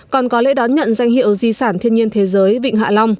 còn có lễ đón nhận danh hiệu di sản thiên nhiên thế giới vịnh hạ long